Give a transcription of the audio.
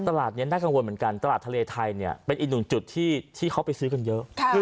ตลาดนี้น่ากังวลเหมือนกันตลาดทะเลไทยเนี่ยเป็นอีกหนึ่งจุดที่เขาไปซื้อกันเยอะ